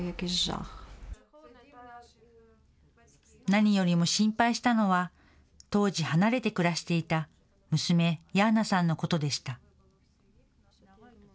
何よりも心配したのは、当時離れて暮らしていた娘、ヤーナさんのことでした。